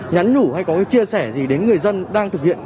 nhắn nhủ hay có chia sẻ gì đến người dân đang thực hiện